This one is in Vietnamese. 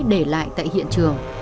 để lại tại hiện trường